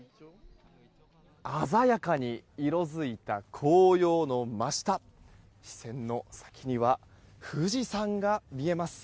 鮮やかに色づいた紅葉の真下視線の先には富士山が見えます。